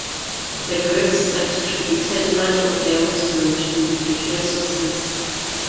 The Greeks attributed much of their wisdom to Egyptian sources.